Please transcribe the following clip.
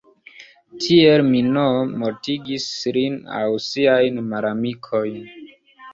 Tiel Minoo mortigis lin aŭ siajn malamikojn.